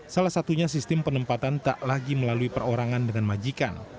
salah satunya sistem penempatan tak lagi melalui perorangan dengan majikan